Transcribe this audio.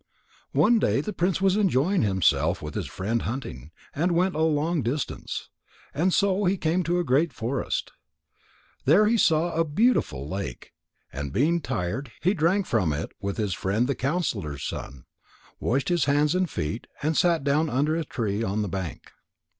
One day the prince was enjoying himself with his friend hunting, and went a long distance. And so he came to a great forest. There he saw a beautiful lake, and being tired, he drank from it with his friend the counsellor's son, washed his hands and feet, and sat down under a tree on the bank.